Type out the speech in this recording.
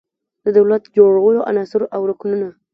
د دولت جوړولو عناصر او رکنونه